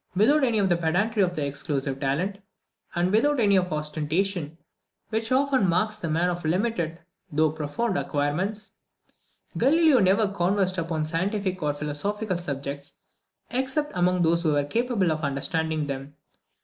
Without any of the pedantry of exclusive talent, and without any of that ostentation which often marks the man of limited though profound acquirements, Galileo never conversed upon scientific or philosophical subjects except among those who were capable of understanding them.